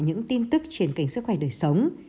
những tin tức trên kênh sức khỏe đời sống